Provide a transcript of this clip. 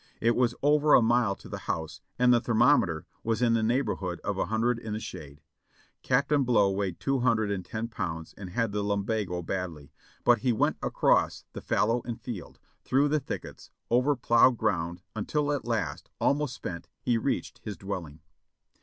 It was over a mile to the house, and the thermometer was m the neighborhood of a hundred in the shade. Captain Blow weighed two hundred and ten pounds and had the lumbago A TYPICAL VIRGINIA PLANTATION 58 1 badl}', but he went across the fallow and field, through the thickets, over ploughed ground until at last, almost spent, he reached his dwelling.